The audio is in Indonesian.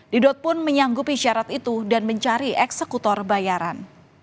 didot pun menyanggupi syarat itu dan mencari eksekutor bayaran